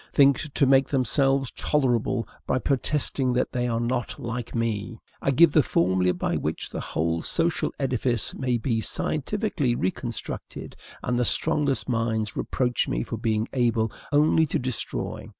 think to make themselves tolerable by protesting that they are not like me! I give the formula by which the whole social edifice may be scientifically reconstructed, and the strongest minds reproach me for being able only to destroy.